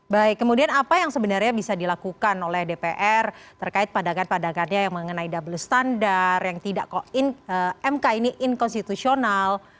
baik kemudian apa yang sebenarnya bisa dilakukan oleh dpr terkait padangan padangannya yang mengenai double standard yang tidak koin mk ini inkonstitusional